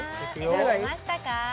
選べましたか？